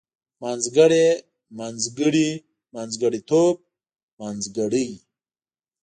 منځګړی منځګړي منځګړيتوب منځګړۍ